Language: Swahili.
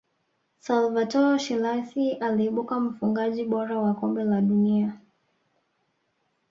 salvatore schillaci aliibuka mfungaji bora wa kombe la dunia